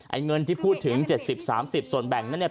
เงินที่พูดถึง๗๐๓๐ส่วนแบ่งนั้นเนี่ย